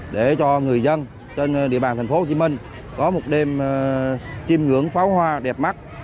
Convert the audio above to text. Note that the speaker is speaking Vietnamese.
để cho người dân trên địa bàn thành phố hồ chí minh có một đêm chìm ngưỡng pháo hoa đẹp mắt